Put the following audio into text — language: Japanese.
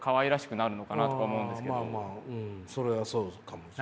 それはそうかもしれない。